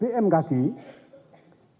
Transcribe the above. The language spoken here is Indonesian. masyarakat tidak boleh untuk melakukan aktivitas